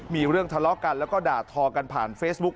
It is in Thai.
มีเรื่องทะเลาะกันแล้วก็ด่าทอกันผ่านเฟซบุ๊ค